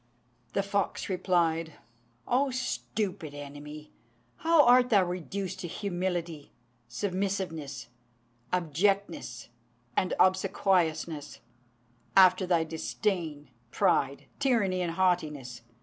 The fox replied, "O stupid enemy, how art thou reduced to humility, submissiveness, abjectness, and obsequiousness, after thy disdain, pride, tyranny, and haughtiness!